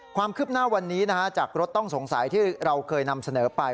ความคืบหน้าวันนี้จากรถต้องสงสัยที่เราเคยนำเสนอไป